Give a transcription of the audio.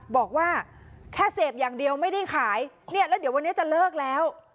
บอกว่าแค่เสพอย่างเดียวไม่ได้ขายเนี่ยแล้วเดี๋ยววันนี้จะเลิกแล้ว